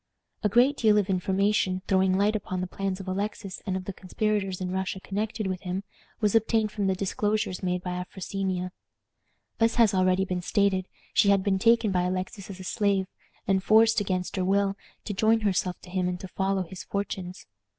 A great deal of information, throwing light upon the plans of Alexis and of the conspirators in Russia connected with him, was obtained from the disclosures made by Afrosinia. As has already been stated, she had been taken by Alexis as a slave, and forced, against her will, to join herself to him and to follow his fortunes.